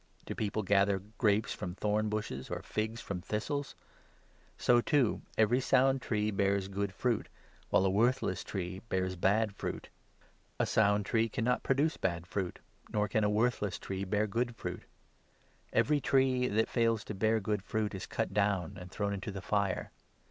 Do people gather grapes from thorn bushes, or figs from thistles ? So, too, every sound tree bears good fruit, while a worthless tree bears bad fruit. A sound tree cannot produce bad fruit, nor can a worthless tree bear good fruit. Every tree that fails to bear good fruit is cut down and thrown into the fire.